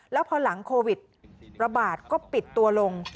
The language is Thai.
แล้วพอหลังโควิดระบาดก็ปิดตัวลง